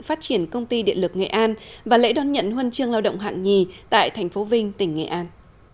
phát triển công ty điện lực nghệ an và lễ đón nhận huân chương lao động hạng nhì tại tp vinh tỉnh nghệ an